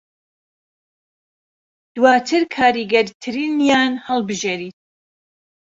دوواتر کاریگەرترینیان هەڵبژێریت